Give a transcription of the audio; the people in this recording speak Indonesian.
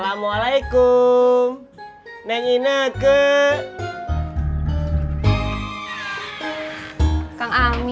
aku mau berangkat kerja